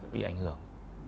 bị ảnh hưởng